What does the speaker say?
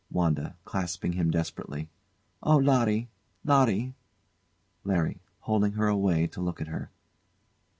WANDA. [Clasping him desperately] Oh, Larry! Larry! LARRY. [Holding her away to look at her.